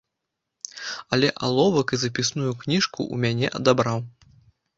Але аловак і запісную кніжку ў мяне адабраў.